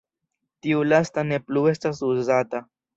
Tiu lasta ne plu estas uzata.